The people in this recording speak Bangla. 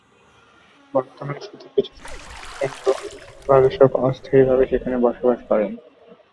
বর্তমানে শুধু কিছুসংখ্যক বিজ্ঞানী ও গবেষক অস্থায়ীভাবে সেখানে বসবাস করেন।